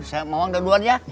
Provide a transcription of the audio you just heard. saya mau ambil doduan ya